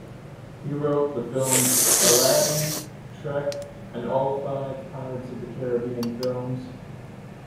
He wrote the films "Aladdin", "Shrek", and all five "Pirates of the Caribbean" films.